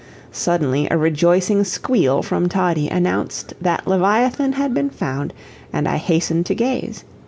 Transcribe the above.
Suddenly a rejoicing squeal from Toddie announced that leviathan had been found, and I hastened to gaze.